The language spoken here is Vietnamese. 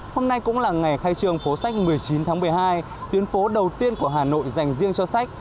hôm nay cũng là ngày khai trương phố sách một mươi chín tháng một mươi hai tuyến phố đầu tiên của hà nội dành riêng cho sách